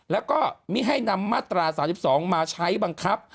แล้วก็มิให้นำมาตรา๓๒มาใช้บังคับ